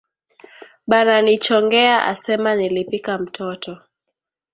Bananichongea asema nilipika mtoto